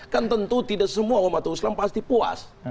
kan tentu tidak semua umat islam pasti puas